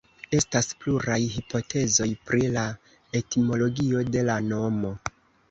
Estas pluraj hipotezoj pri la etimologio de la nomo.